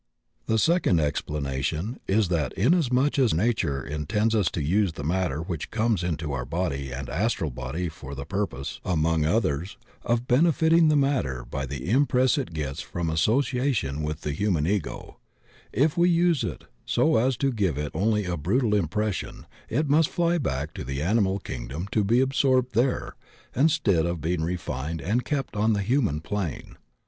The second explanation is, that inasmuch as nature intends us to use the matter which comes into our body and astral body for the purpose, among others, of benefiting the matter by the impress it gets from asso ciation with the human Ego, if we use it so as to give it only a brutal impression it must fly back to the animal kingdom to be absorbed there instead of being refined and kept on the human plane.